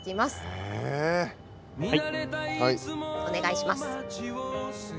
お願いします。